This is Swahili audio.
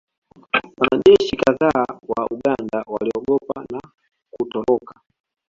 Wanajeshi kadhaa wa Uganda waliogopa na kutoroka